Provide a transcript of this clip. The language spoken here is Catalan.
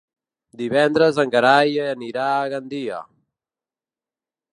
Divendres en Gerai anirà a Gandia.